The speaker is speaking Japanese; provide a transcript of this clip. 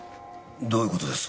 どういう事です？